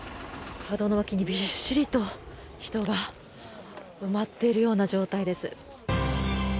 車道の脇にびっしりと人が埋まっているような状態です。